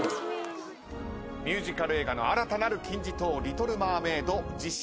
ミュージカル映画の新たなる金字塔『リトル・マーメイド』実写映画化。